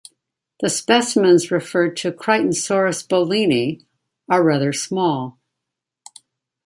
The specimens referred to "Crichtonsaurus bohlini" are rather small.